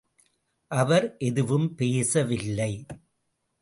அவர் எதுவும் பேசவில்லை.